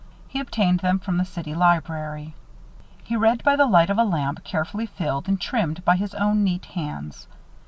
He obtained them from the city library. He read by the light of a lamp carefully filled and trimmed by his own neat hands.